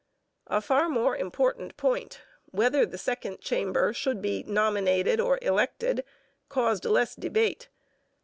A far more important point, whether the second chamber should be nominated or elected, caused less debate.